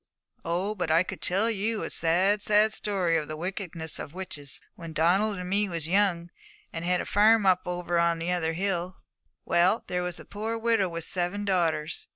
Oh, but I could tell you a sad, sad story of the wickedness of witches. When Donald and me was young, and had a farm up over on the other hill, well, there was a poor widow with seven daughters.